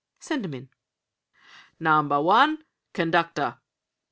Send 'em in." "Number One, Conductor!"